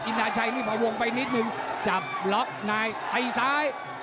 นี่ผ่าวงไปนิดนึงจับล็อคนายไปซ้าย